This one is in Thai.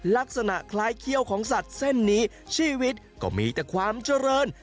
ลักษณะคล้ายเขี้ยวของสัตว์เส้นนี้ชีวิตก็มีแต่ความเจริญ